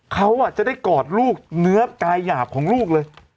เขาจะได้กอดลูกเนื้อกายหยาบของลูกเลย